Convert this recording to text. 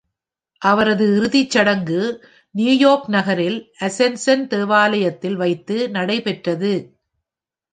அவரது இறுதிச்சடங்கு நியூயார்க் நகரின் அசென்சன் தேவாலயத்தில் வைத்து நடைபெற்றது.